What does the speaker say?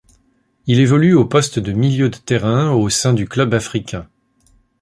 Il évolue au poste de milieu de terrain au sein du Club africain.